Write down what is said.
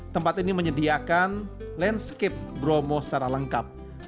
tempat ini menyediakan landscape bromo secara lengkap